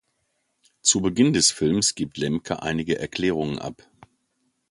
Zu Beginn des Films gibt Lemke einige Erklärungen ab.